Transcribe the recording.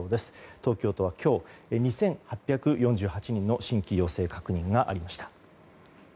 東京都は今日２８４８人の新規陽性確認がありました。